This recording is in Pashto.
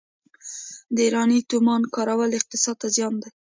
د ایراني تومان کارول اقتصاد ته زیان دی.